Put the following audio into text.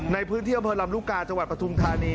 ในพื้นเทียบเพลิดลำลูกกาจวัดปทุมธานี